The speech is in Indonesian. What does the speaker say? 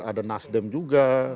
ada nasdem juga